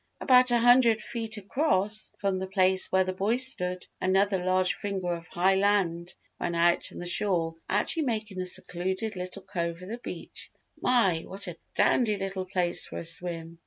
About a hundred feet across from the place where the boy stood, another large finger of high land ran out from the shore actually making a secluded little cove of the beach. "My, what a dandy little place for a swim!